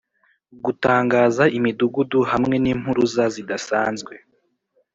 gutangaza imidugudu hamwe n'impuruza zidasanzwe.